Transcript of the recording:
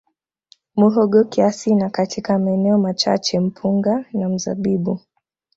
Muhogo kiasi na katika maeneo machache mpunga na mzabibu